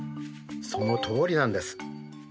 そのとおりなんです。